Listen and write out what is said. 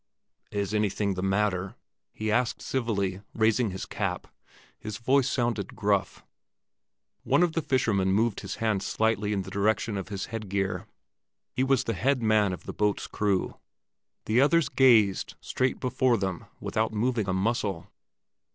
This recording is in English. "Is anything the matter?" he asked civilly, raising his cap. His voice sounded gruff. One of the fishermen moved his hand slightly in the direction of his head gear. He was the head man of the boat's crew. The others gazed straight before them without moving a muscle.